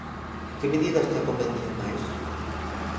Que medidas te convencen máis?